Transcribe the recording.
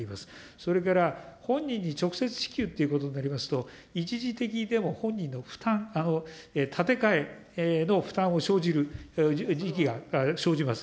それから、本人に直接支給っていうことになりますと、一時的にでも本人の負担、立て替えの負担を生じる時期が生じます。